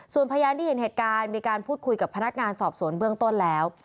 ส่วนพยานที่เห็นเหตุการณ์มีการพูดคุยกับพนักงานสอบสวนเบื้องต้นแล้ว